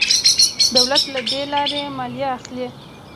دولت له دې لارې مالیه اخلي.